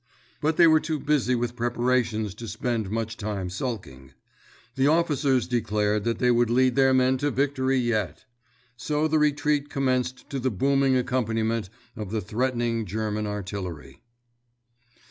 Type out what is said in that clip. But they were too busy with preparations to spend much time sulking. The officers declared that they would lead their men to victory yet. So the retreat commenced to the booming accompaniment of the threatening German artillery.